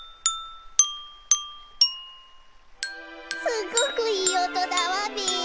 すごくいいおとだわべ！